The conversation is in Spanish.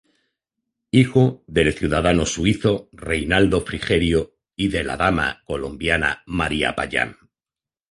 Hijo del ciudadano suizo Reinaldo Frigerio y la dama colombiana María Payán.